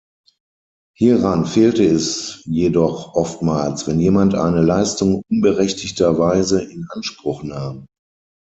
Hieran fehlte es jedoch oftmals, wenn jemand eine Leistung unberechtigterweise in Anspruch nahm.